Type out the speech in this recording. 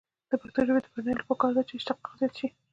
د پښتو ژبې د بډاینې لپاره پکار ده چې اشتقاق زیات شي.